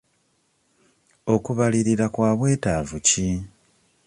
Okubalirira kwa bwetaavu ki?